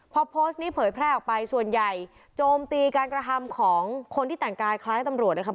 พอโพสต์นี้เผยแพร่ออกไปส่วนใหญ่โจมตีการกระทำของคนที่แต่งกายคล้ายตำรวจนะครับ